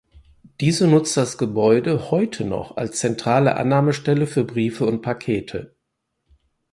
Diese nutzt das Gebäude heute noch als Zentrale Annahmestelle für Briefe und Pakete.